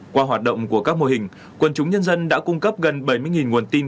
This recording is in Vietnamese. qua hoạt động của các mô hình quân chúng nhân dân đã cung cấp gần bảy mươi nguồn tin